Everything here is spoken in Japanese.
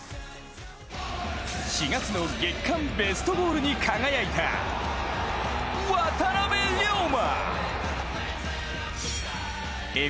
４月の月間ベストゴールに輝いた渡邊凌磨。